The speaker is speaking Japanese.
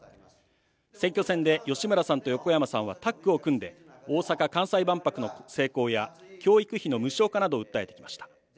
選挙戦で吉村さんと横山さんはタッグを組んで、大阪・関西万博の成功や教育費の無償化などを訴えてきました。